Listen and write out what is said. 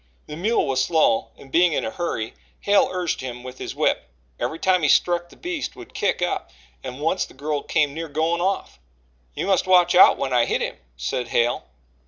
The mule was slow and, being in a hurry, Hale urged him with his whip. Every time he struck, the beast would kick up and once the girl came near going off. "You must watch out, when I hit him," said Hale.